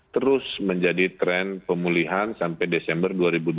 terus menjadi tren pemulihan sampai desember dua ribu dua puluh